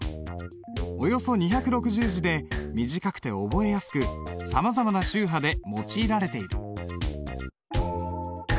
およそ２６０字で短くて覚えやすくさまざまな宗派で用いられている。